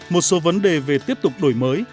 một số vấn đề về tiếp tục đổi mới